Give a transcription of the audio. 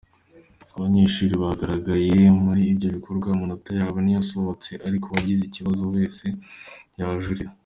Abanyeshuri bagaragaye muri ibyo bikorwa amanota yabo ntiyasohotse, ariko uwagize ikibazo wese yajurira.